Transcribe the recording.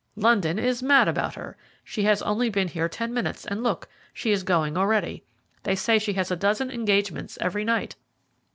London is mad about her. She has only been here ten minutes, and look, she is going already. They say she has a dozen engagements every night."